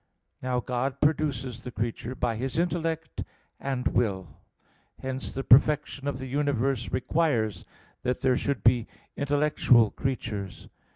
Now, God produces the creature by His intellect and will (Q. 14, A. 8; Q. 19, A. 4). Hence the perfection of the universe requires that there should be intellectual creatures.